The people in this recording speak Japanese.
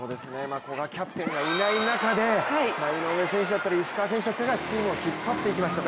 古賀キャプテンがいない中で井上選手とか石川選手がチームを引っ張っていきました